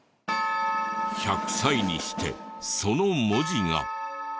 １００歳にしてその文字が。